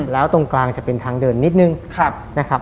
แล้วตรงกลางจะเป็นทางเดินนิดนึงนะครับ